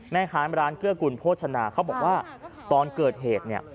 แม่ค้าร้านเกื้อกุลโภชนาเขาบอกว่าตอนเกิดเหตุเนี่ย